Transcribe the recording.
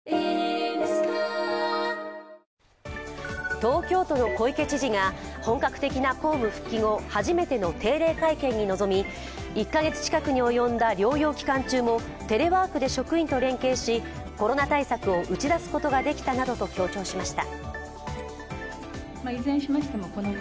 東京都の小池知事が本格的な公務復帰後初めての定例会見に臨み１カ月近くに及んだ療養期間中もテレワークで職員と連携しコロナ対策を打ち出すことができたなどと強調しました。